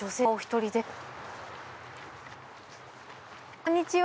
こんにちは。